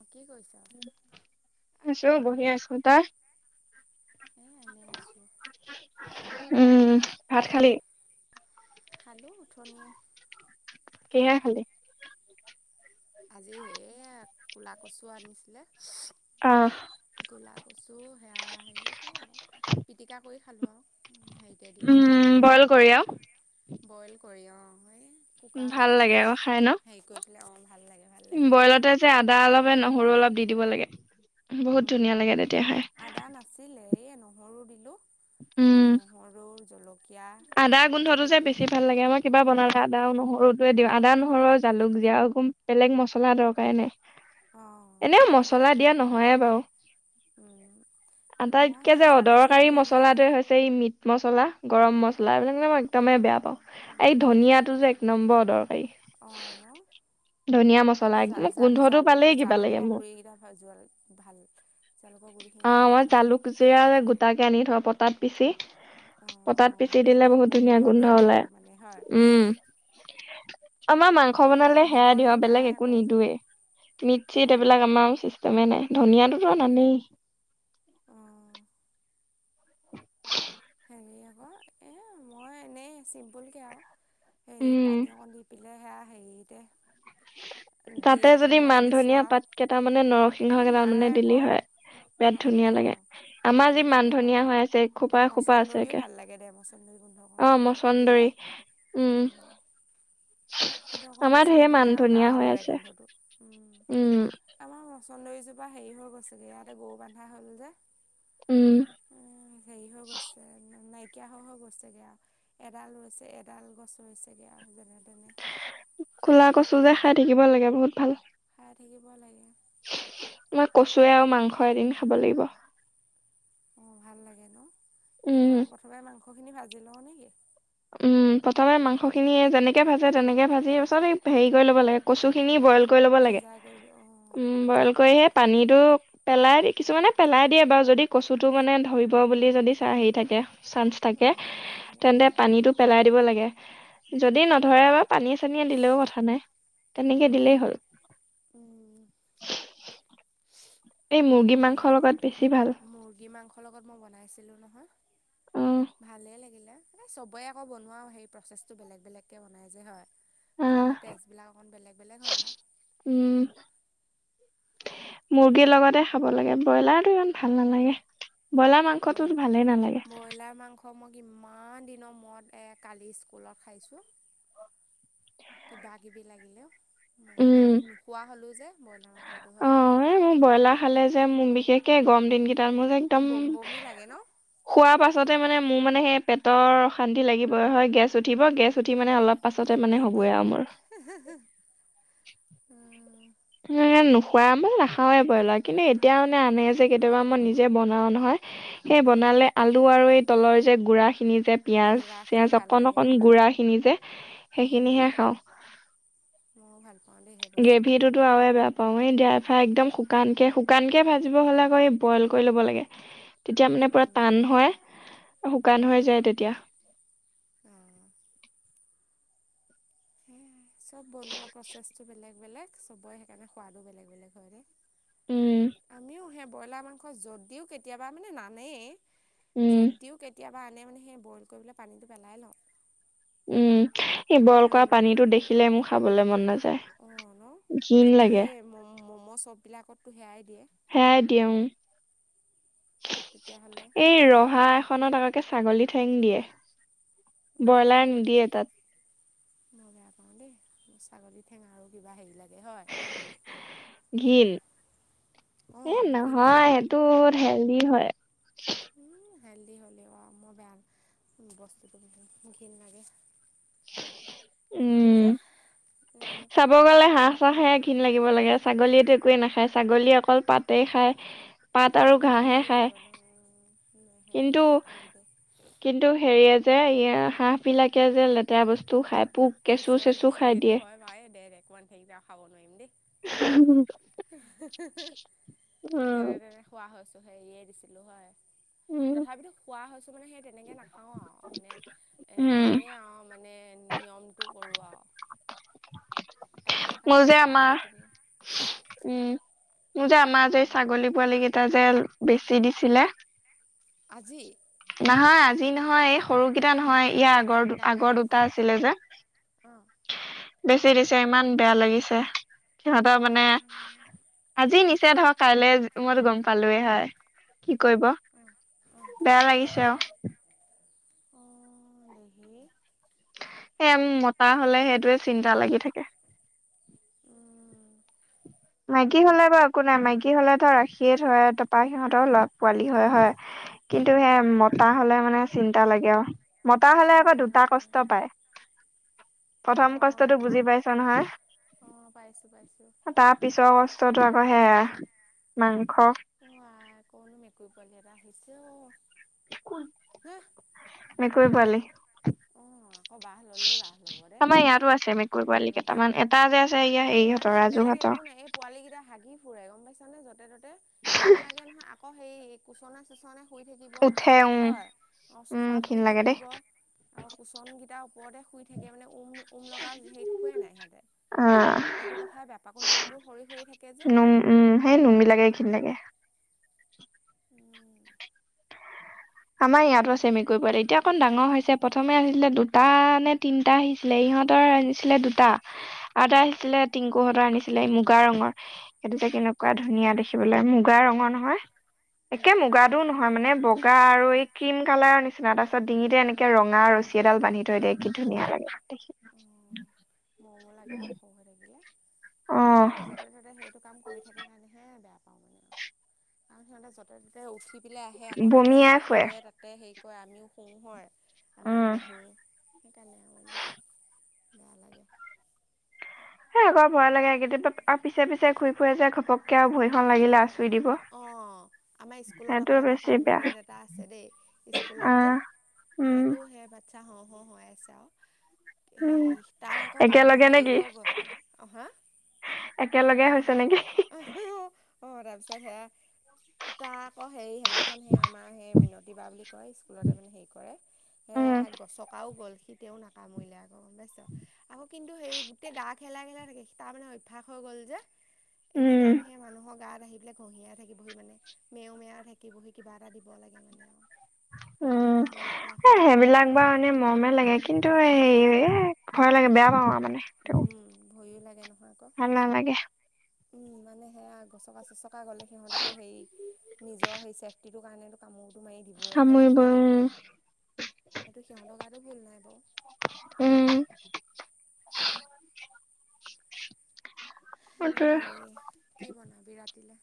[inaudible] আছো, বহি আছো। তই? এনেই আছো। উম, ভাত খালি? খালো অঠনিয়ে কিহে খালি? আজি সেয়া কোলা কচু আনিছিল, আহ কোলা কচু ত' সেয়া হেনেকেই আৰু, পিটিকা কৰি খালো আৰু। হেৰিতে দি পেলাই, উম বইল কি কৰি আৰু বুলি কয়, বইল কৰি অ। এই উম, কুকাৰতে ভাল লাগে তেনেকে আকৌ খাই ন হেৰি কৰি পেলাই, অ' ভাল লাগে। ভাল লাগে বইলতে যে আদা অলপ, নহৰু অলপ দি দিব লাগে? বহুত ধুনীয়া লাগে তেতিয়াহে। এ নহৰু দিলো, নহৰু জলকীয়া আদা এনেকে গোন্ধটো দি যে বেছি পেলাই ভাল লাগে, আমাৰ কিবা বনালে আদা আদা আৰু নহৰুটোৱে দিওঁ, আদা, নহৰু, জালুক দিও। আৰু একো বেলেগ মছলা দৰকাৰে নাই। অ এনেও হয় মচলা আকৌ দিয়া নহয়ে বাৰু! মই আটাইতকে সেই যে জালুক জিৰা অদৰকাৰী দিয়া নাই মচলাটোয়ে হৈছে, ই মিট মছলা। গৰম মছলা, এইবিলাক মানে মই একদমেই বেয়া পাওঁ। ময়ো এই গৰম মছলা ধনীয়াটো যে সানি এক লওঁ। নম্বৰ অদৰকাৰী। অঁ ন [unintelligible] মছলা কিন্তু একদম গোন্ধটো পালেই কিবা লাগে জা-জালুকৰ মোৰ গুৰি কেইটা ভাল। জালুকৰ গুড়িখিনি অ' ভাল মই পাওঁ জালুক, জিৰা গোটাকে আনি থওঁ। পটাত পিচি, অঁ পটাত। অঁ সেইটো গোন্ধটোৱে বেলেগ, মানে হয়। উম আমাৰ মাংস এই বনালে সেয়াই দিওঁ দিবলৈ আৰু নাই বেলেগ একো আকৌ যে নিদোৱেই। মিট-চিত, অঁ এইবিলাক আমাৰ আৰু চিষ্টেমে নাই। ধনীয়াটোতো নানেই। অঁ [unintelligible] হেৰি আকৌ, এ মই এনেই চিম্পুলকে আৰু। সেই উম পানী অকণ দি পেলাই সেয়া হেৰিতে দি তাতে যদি সুমুৱাই দিছোঁ মানধনীয়া আৰু পাত‌ কেইটামানে, নৰসিংহ এই নাই কেইটামানে দিলি আকৌ হয়! ন বিৰাট ধুনীয়া অঁ লাগে। আমাৰ যি গোন্ধটোৱে ভাল মানধনীয়া লাগে হৈ আছে। এসোপা এসোপা আছে মচন্দৰীও একে ভাল লাগে দে, মছন্দৰী গোন্ধকো অ দিলে মচন্দৰী উম। কিন্তু অকণ আমাৰ ঢেৰ বেছিকে মান দিলে আৰু ধনিয়া কাৰা হৈ মাৰে আছে গোন্ধটো। উম। আমাৰ মছন্দৰীজোপা হেৰি হৈ গৈছেগৈ। ইয়াতে গৰু বান্ধা হ'ল যে উম। হেৰি হৈ গৈছে নাইকিয়া হৈ হৈ গৈছেগে আৰু। এডাল হৈছে এডাল গছ ৰুইছেগে আৰু যেনে তেনে কোলা কচু যে খাই থাকিব লাগে, বহুত ভাল। খাই থাকিব লাগে। মই কচুৱে আৰু মাংস এদিন খাব লাগিব। অ' ভাল লাগে ন? কি উম কৰ প্ৰথমে মাংসখিনি ভাজি লৱ নেকি? উম প্ৰথমে মাংসখিনি যেনেকে ভাজে তেনেকে ভাজি, পিছত হে কৰি ল'ব লাগে কচুখিনি বইল। কৰি ল'ব লাগে। সিজাই কৰি অঁ বইল কৰিহে পানীটো পেলাই, কিছুমানে পেলাই দিয়ে বাৰু! যদি কচুটো মানে ধৰিব বুলি যদি চা হেৰি থাকে। চান্স থাকে, অঁ সন্দেহ থাকে তেন্তে। অঁ নীটো পেলাই দিব লাগে। যদি নধৰে বাৰু পানীয়ে-চানীয়ে দিলেও কথা নাই। তেনেকে দিলেই অঁ হ'ল। এই মই মুৰ্গী হয়ে মাংসৰ লগত বেছি ভাল। মুৰ্গী মাংসৰ লগত মই বনাইছিলো নহয়! অ ভালেই লাগে। এ চবে আকৌ বনোৱাৰ সেই প্ৰচেছটো বেলেগ বেলেগকে বনাই যে, হয় আহ সেইকাৰণে টেষ্টবিলাক অকণ বেলেগ বেলেগ হয় আৰু। উম মুৰ্গীৰ লগতে খাব লাগে। ব্ৰইলাৰটো ইমান ভাল নালাগে। ব্ৰইলাৰ উম, মাংসটো ভালেই নালাগে। ব্ৰইলাৰ মাংস মই কিমান দিন মই এ কালি স্কুলত খাইছো। কিবাকিবি লাগিলে। নো উম। নোখোৱা হলো যে ব্ৰইলাৰ মাংসটো হয় মোক ব্ৰইলাৰ খালে যে মোক বিশেষকে গৰম দিন কেই তাৰ মই যে এই একদম বম বমি লাগে ন খোৱা পাছ ছতে মানে মোৰ মানে সেই পেটৰ অশান্তি লাগিব হয় গেছ উঠিব গেছ উঠি মানে অলপ পাছতে মানে হ'বই লেটিন আৰু মোৰ উ হু হু এ নোখোৱা মই নাখাওৱে ব্ৰইলাৰ কিন্তু এতিয়া মানে আনে যে কেতিয়াবা মই নিজে বনাও নহয়। সেই অঁ বনালে আলু আৰু এই তলৰ যে গুৰা খিনি যে পিয়াজ ঘোঁৰাখিনি চিয়াজ ভাল অকন লাগে অকন অঁ গুৰা। খিনি যে অঁ সেইখিনিহে খাওঁ। [unintelligible] বস্তুটো গ্ৰেভি খাই টোতো আৰুয়ে বেয়া পাওঁ এ দে ফ্ৰাই একদম শুকানকে শুকান কে ভাজিব হ'লে আকৌ ব্ৰইল কৰি ল'ব লাগে। তেতিয়া উম মানে পুৰা উম, টান হয় শুকান হৈ যায় তেতিয়া। অঁ চব বনোৱা প্ৰচেছবোৰ বেলেগ বেলেগ চবৰে সেইকাৰণে সোৱাদো বেলেগ বেলেগ উম আমিও সেই ব্ৰইলাৰ মাংস যদিও কেতিয়াবা মানে নানেই উম যদিও কেতিয়াবা আনে মানে সেই বইল কৰিলৈ পানীটো পেলাই লওঁ উম এই বইল কৰা পানীতো দেখিলে মোৰ খাবলৈ মন নাযায় অ ন ঘিণ কিন্তু লাগে সেই মম' চব বিলাকতো সেয়াই দিয়ে সেয়াই দিয়ে উ তেতিয়াহ'লে এই ৰহা এখনত আকৌ ছাগলী ঠেং দিয়ে ব্ৰইলাৰ নিদিয়ে তাত মই বেয়া পাওঁ দেই ছাগলী ঠেঙ আৰু কিবা হেৰি লাগে হয় ঘি ঘিণ এ অঁ মোৰ ঘিণ লাগে নহয় সেইটোত হেলডি হয় হেল্ডি হ'লেও আৰু মই বেয়া বস্তুটো ঘিণ লাগে হেৰি উম যে চাব এইটো গলে হাঁহ চাহে ঘিণ লাগিব লাগে ছাগলীয়েটো একোৱেই নাখায় ছাগলী অকল পাতেই খায় পাত আৰু ডাঙৰ ঘাঁহে যে খায় জীৱনৰ সেইটো কিন্তু তথাপিতো কিন্তু হেৰিয়ে যে হাঁহবিলাকে যে লেতেৰা বস্তু খাই পোক কেঁচু খুচৰি চেচু খুচৰি খাই সেইটো দিয়ে। হয় বাও এ দে দে কৈ নাথাকিবি আও খাব নোৱাৰিম দেই হু হু হু উম যেনে তেনে খোৱা হৈছো হেৰিয়ে দিছিলো হয় উম, তথাপিতো খোৱা হৈ ছো মানে সেই তেনেকে নাখাওঁ আৰু মানে এ উম এনেই আৰু মানে নিয়ম তো কৰো আও তাত থাকা মোৰ সেই যে আমাৰ আলুখিনি উম মোৰ যে আমাৰ যে ছাগলী পোৱালি কেইটা যে বেছি দিছিলে আজি নহয় আজি নহয় এই সৰুকেইটা নহয় ইয়াৰ আগৰ ডাঙৰ আগৰ দুটা অঁ আছিলে যে অঁ বেছি দিছে ইমান বেয়া লাগিছে সিহঁতৰ মানে অঁ অঁ আজি নিচে ধৰক কাইলৈ মই গম পালোয়েই হয় কি কৰিব অঁ বেয়া লাগিছে অ অ দেহি সেই মতা হলে সেইটোৱে চিন্তা লাগি থাকে মাইকী হলে বাৰু একো নাই মাইকী হ'লে ত ৰাখিয়ে ধৰে তপা সিহঁতৰ লগ পোৱালি হয় হয় কিন্তু সে মতা হলে মানে চিন্তা লাগে আও মতা হলে আকৌ চিন্তা দুটা লাগে কষ্ট পায় প্ৰথম অঁ কষ্টটো ন বুজি পাইছ নহয় অঁ পাইছোঁ পাইছোঁ তাত পিছৰ কষ্টতো আকৌ সেয়া মাংস অ আই কৰনো মেকুৰী পোৱালী এটা আহিছে অ মেকুৰী পোৱালি অ আকৌ বাহ ল'লেই বাহ ল'ব দে আমাৰ ইয়াতো আছে মেকুৰ সোমাই পোৱালি গৈছে কেইটামান এটা যে আছে এয়া ই মানে সেইহঁতৰ ৰাজু বেলেগ একো নাই এই পোৱালী কেইটা হাগী ফুৰে গম পাইছে। যতে ততে ঘিন লাগে নহয় আকৌ সেই কোচনা চোচনে শুই থাকিব উঠে উম। হয় অ, উম চোফাত ঘিন শুই লাগে দেই থাকিব। আৰু কুচনকেইটাৰ ওপৰতে শুই থাকে মানে ওম - ওম লগা হেৰিত শোৱে নাই সিহতে। অ সেইটো কথাই বেয়া পাও আকৌ নোমবোৰ সৰি - সৰি থাকে যে। নোম উম সেই নুমিবিলাকে ঘিন লাগে। উম আমাৰ ইয়াতো আছে মেকুৰী পোৱালী এতিয়া অকণ ডাঙৰ হৈছে প্ৰথমে আহিছিলে দুটা নে তিনটা আহিছিলে সিহতৰ আনিছিলে দুটা আৰু এটা উম উম আছিলে টিংকুহতৰ আনিছিলে। মুগা ৰঙৰ সেইটো যে কেনেকুৱা ধুনীয়া দেখিবলৈ মুগা ৰঙৰ নহয়। একে মুগাটো নহয় মানে বগা আৰু আৰু এই ক্ৰীম কালাৰৰ নিচিনা তাৰপিছত ডিঙিতে এনেকে ৰঙা ৰছী এডাল বান্ধি থৈ দিয়ে কি ধুনীয়া লাগে দে। [inaudible] মমো লাগে আকৌ সৰু হৈ থাকিলে। অ কিন্তু সেই যতে ত'তে সেইটো কাম কৰি থাকে কাৰণে হে বেয়া প সিহতে য'তে ত'তে উঠি পেলাই আহে আকৌ তাতে বমিয়াই ফুৰে শুৱে তাতে হেই কয় আমিও শোহৰ আমিও উম বহো সেইকাৰণে আৰু মানে বেয়া লাগে। সেই আকৌ ভয় লাগে এই আৰু পিছে - পিছে ঘুই ফুৰে যে ঘপকে আৰু ভৰিখন লাগিলে আচুৰি দিব। অ, আমাৰ স্কুলত সেইটো আকৌ এটা বেছি বেয়া পাৰ্মানেণ্ট এটা আছে দেই স্কুলত যে। আহ উম সেইটো সে বাচ্ছা হ হৈ আছে আৰু। উম হেৰি তাৰ আকৌ কাম একেলগে হেৰি নেকি হৈ গ'ল অ, হা একেলগে হৈছে নেকি। আ হু - হু অ, তাৰপাচত হেয়া। তাৰ আকৌ হেৰি সেনাখন সে আমাৰ সেই মিনতি বা বুলি স্কুলতে মানে হে কৰে উম এছকাও গ'ল সি তেও নাকামুৰিলে। গম বাইছ আকৌ কিন্তু সেই গোটেই গা খেলা খেলা থাকে তাৰ মানে অভ্যয়াস হৈ গল যে। এনি উম টাইম সে মানুহক গাত আহি পেলাই ঘহিয়াই থাকিবহি মানেও মেও থাকিবহি কিবা এটা দিব লাগে মানে আৰু উম, তাৰ সেইটো অভ্যাস হ হৈ গ'ল আৰু সেইবিলাক বাৰ এনে মৰমে লাগে কিন্তু টো হে এ ভয় লাগে বেয়া পাও আৰু মানে তেও উম ভয়ো লাগে নহয় আকৌ ভাল নালাগে। উম, মানে সেয়া গচকা চচকা গলে সিহতেকো হেৰি নিজৰ সেই চেফটিটোৰ কাৰণটো কামোৰ কামৰিব। সেইটো সিহতকাতটো ভুল নাই বও উম [unintelligible] সেইটোৱে হেৰি কি বনাবি ৰাতিলে।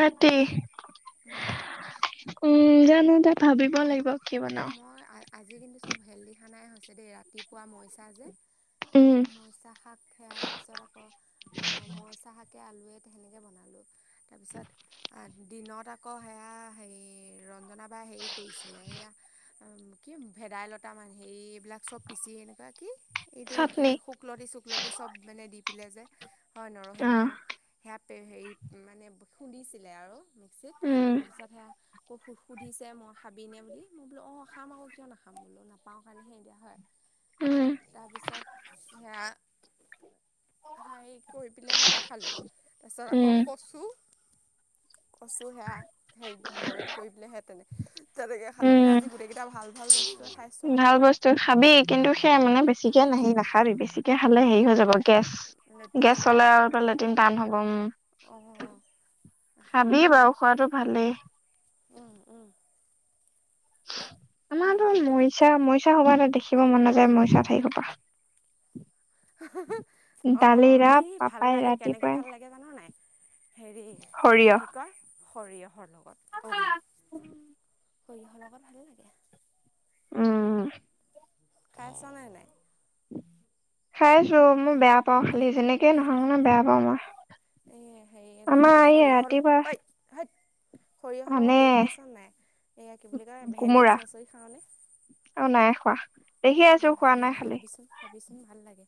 ৰাতি উম, জানো দে ভাবিব লাগিব। কি বনাও। মই আজি কিন্তু চব হেল্ডি খানাই হৈছে দেই ৰাতিপুৱা মৰিছা যে উম মৰিচা শাক সেয়া তাৰ পিছত আকৌ অ, মৰিচা শাকে আলুৱে সেনেকে বনালো তাৰপিছত দিনত আকৌ সেয়া হেৰি ৰঞ্জনা বাই হেৰি কৰিছিলে এইয়া কি ভেদাইলতা মান হে এইবিলাক চব পিচি এনেকুৱা কি এইটো কি চাটনি শুকলকলতি চুকলতি চব মানে দি পেললে যে হয় নৰসিংহ অ' সে হেৰিত মানে খুন্দিছিলে আৰু মিক্সিত উম তাৰপিছত সে আকো স - সুধিছে মই ভাবিনে বুলি। মই বোলো অ, খাম আকৌ কিয় নাখাম বোলো নাপাও কাৰণে সে দিয়া হয়। উম তাৰপিছত সেয়া হ, কৰি পেলাই সেয়া খালো তাৰ পিছত আকৌ উম কচু কচু সেয়া হে বইল কৰি পেললেহে তেনে তেনেকৈ খালোঁ মানে উম, আজি গোটেইকেইটা ভাল ভাল বস্তুৱে খাইছোঁ আৰু ভাল বস্তু খাবি কিন্তু সেয়া মানে বেছিকে নাহি নাখাবি বেছিকে খালে হেৰি হৈ যাবগে। গেছ লেটিন গেছ ন হলে অলপ লেট্ৰিন টান হ'ব উম। অঁ খাবি বাৰু খোৱাতটো ভালেই। উম উম। আমাৰ মহ। মছা মৰিচা সময় দেখিব মন নাযায় মৰিচা ঠাই খ পৰা। অ এই ভাল পাপাই লাগে কেনেকে ৰাতিপুৱাই ভাল লাগে জান নাই। হেৰি এইটো সৰিয়হ। কি কয় সৰিয়হৰ লগত অ সৰিয়হৰ লগত ভাল লাগে। উম। কাই চ নাই নাই [unintelligible] খাইছো মই বেয়া পাওঁ খালি যেনেকে নহওঁ নে বেয়া পাও মই। [unintelligible] এ হেৰি লগত আমাৰ এই ৰাতিপুৱা সৰিয়হৰ সৰিয়হৰ লগত আনে হেৰি খাইছ নাই এইয়া কি বুলি কয় ভেন্দি চৰ্চৰি খাওঁ নে [unintelligible] অ নাই খোৱা [unintelligible] ভাল খোৱা নাই লাগে খালি খাবিচোন-খাবিচোন ভাল লাগে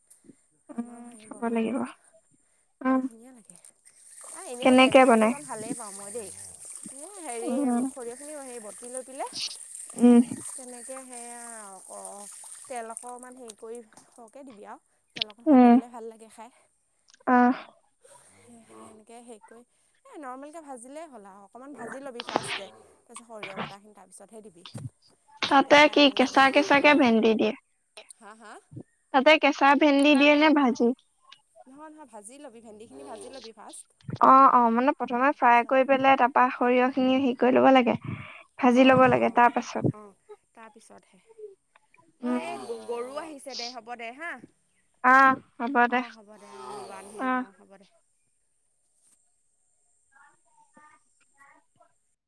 আমাৰও উম হে খাব বনাও লাগিব নহয় [unintelligible] উম বৰ ধুনীয়া লাগে অ এনেও কেনেকে ভেন্দি বনাই ভাজি কন ভালেই পাওঁ মই দেই [unintelligible] হেৰি উম সৰিয়হখিনিও হে বটি লৈ পাই উম তেনেকে [inaudible] সেয়াই আও [unintelligible] তেল অকমান হেৰি কৰি সৰকে দিবি আৰু তেল অকন সৰকে উম দিলে ভাল লাগে খাই অ [unintelligible] [unintelligible] সেনেকে সেৰি কৰি এ নৰ্মেল কে ভাজিলে [unintelligible] অকণমান ভাজি ল'বি ফাৰ্ষ্টে তাৰপিছত সৰিয়হ বতাখিনি তাৰপিছতহে দিবি তেতিয়া তাতে খাই কি ভাল লাগিব কেঁচা-কেঁচাক কে ভেন্দি দিয়ে [unintelligible] হা [unintelligible] তাতে কেঁচা ভেন্দি দিয়ে নে ভাজি [unintelligible] নহয়-নহয় ভাজি ল'বি ভেন্দিখিনি ভাজি লবি [unintelligible] অ-অ [unintelligible] মানে প্ৰথমে ফ্ৰাই তাৰপিছত কৰি পেলাই তাৰপা সৰিয়হখিনি হে কৰি ল'ব লাগে। ভাজি ল'ব লাগে তাৰ পাছত [unintelligible] অঁ তাৰপিছতহে [inaudible] অ উম, এ গৰু আহিছে দে হ'ব দে হা আহ হ'ব [inaudible] অ হ'ব দে মই আহি ল‌ও অ হ'ব দে [unintelligible]